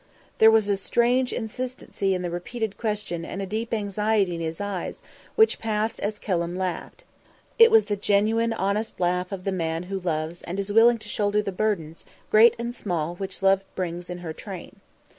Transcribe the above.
There was a strange insistency in the repeated question and a deep anxiety in his eyes, which passed as Kelham laughed. It was the genuine, honest laugh of the man who loves and is willing to shoulder the burdens, great and small, which love brings in her train.